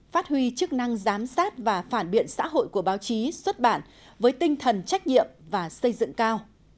phát huy chức năng giám sát và phản biện xã hội của báo chí xuất bản với tinh thần trách nhiệm và xây dựng cao